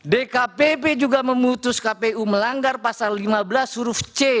dkpp juga memutus kpu melanggar pasal lima belas huruf c